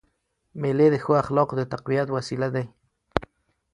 مېلې د ښو اخلاقو د تقویت وسیله دي.